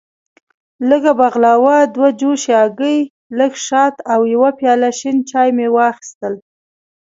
لږه بغلاوه، دوه جوشې هګۍ، لږ شات او یو پیاله شین چای مې واخیستل.